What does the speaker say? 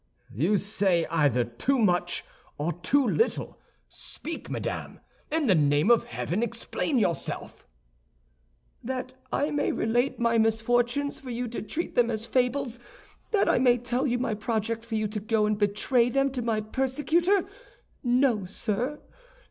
"You say either too much or too little; speak, madame. In the name of heaven, explain yourself." "That I may relate my misfortunes for you to treat them as fables; that I may tell you my projects for you to go and betray them to my persecutor? No, sir.